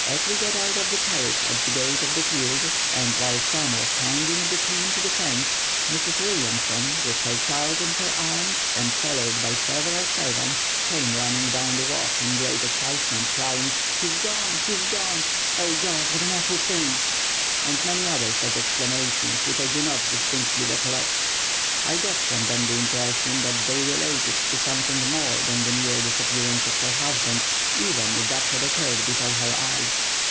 ] As we got out of the carriage at the gate of the field, and while Sam was hanging the team to the fence, Mrs. Williamson, with her child in her arms and followed by several servants, came running down the walk in great excitement, crying: 'He is gone, he is gone! O God! what an awful thing!' and many other such exclamations, which I do not distinctly recollect. I got from them the impression that they related to something more—than the mere disappearance of her husband, even if that had occurred before her eyes.